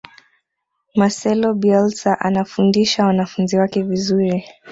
marcelo bielsa anafundisha wanafunzi wake vizuri